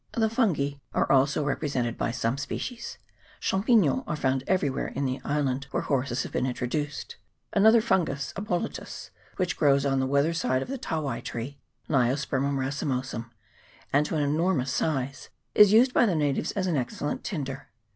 The fungi are also represented by some species. Cham pignons are found everywhere in the island where horses have been introduced. Another fungus, a boletus, which grows on the weather side of the tawai tree (Leiospermum racemosum), and to an enormous size, is used by the natives as an excellent tinder.